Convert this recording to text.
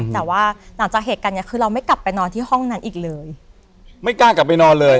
แต่ว่าหลังจากเหตุการณ์เนี้ยคือเราไม่กลับไปนอนที่ห้องนั้นอีกเลยไม่กล้ากลับไปนอนเลย